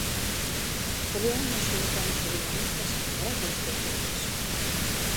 Поллианна шӱлыкан чурийым ыштыш, вара воштыл колтыш: